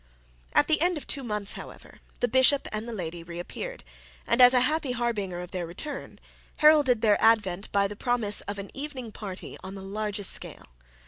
At the end of two months, however, the bishop and the lady reappeared; and as a happy harbinger of their return, heralded their advent by the promise of an evening party on the largest scale.